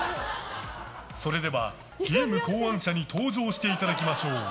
それではゲーム考案者に登場していただきましょう。